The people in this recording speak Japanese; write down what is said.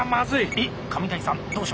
えっ上谷さんどうしました？